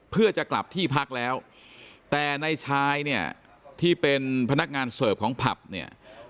เพื่อจะกลับที่พักแล้วแต่ในชายเนี่ยที่เป็นพนักงานเสิร์ฟของผับเนี่ย